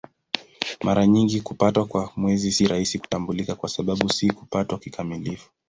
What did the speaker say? Mara nyingi kupatwa kwa Mwezi si rahisi kutambulika kwa sababu si kupatwa kikamilifu.